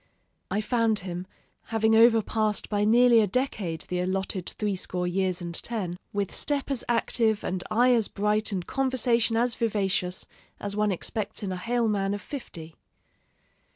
I found him, having overpassed by nearly a decade the allotted threescore years and ten, with step as active and eye as bright and conversation as vivacious as one expects in a hale man of fifty....